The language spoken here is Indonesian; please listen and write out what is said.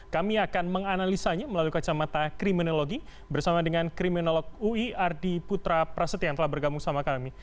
kami akan menganalisanya melalui kacamata kriminologi bersama dengan kriminolog ui ardi putra praset yang telah bergabung sama kami